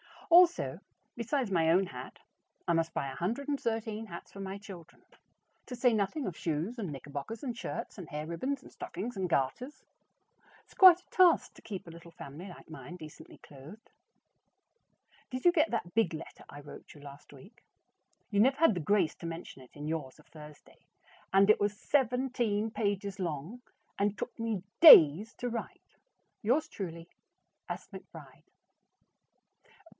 Also, besides my own hat, I must buy 113 hats for my children, to say nothing of shoes and knickerbockers and shirts and hair ribbons and stockings and garters. It's quite a task to keep a little family like mine decently clothed. Did you get that big letter I wrote you last week? You never had the grace to mention it in yours of Thursday, and it was seventeen pages long, and took me DAYS to write. Yours truly, S. McBRIDE.